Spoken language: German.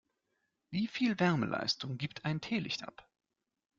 Wie viel Wärmeleistung gibt ein Teelicht ab?